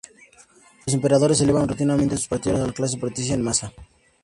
Los emperadores elevaban rutinariamente a sus partidarios a la clase patricia en masa.